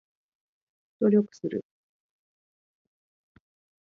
努力する